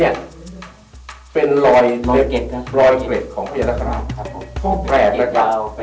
นี่เป็นรอยเกร็ดของพระเย็นตะขนาด๘นะครับ